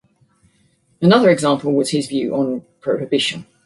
Another example was his view on prohibition.